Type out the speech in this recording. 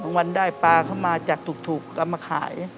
วันได้ปลาเข้ามาจากถูกเอามาขาย